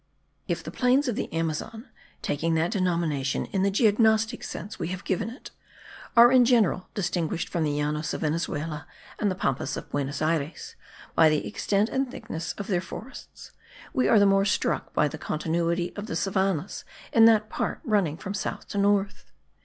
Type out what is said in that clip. If the plains of the Amazon (taking that denomination in the geognostic sense we have given it) are in general distinguished from the Llanos of Venezuela and the Pampas of Buenos Ayres, by the extent and thickness of their forests, we are the more struck by the continuity of the savannahs in that part running from south to north.